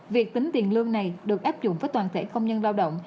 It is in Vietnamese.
việc tính tiền lương này được áp dụng với toàn thể công nhân lao động